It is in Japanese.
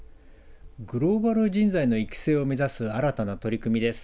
グローバル人材の育成を目指す新たな取り組みです。